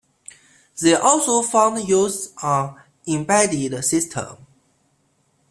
They also found use on embedded systems.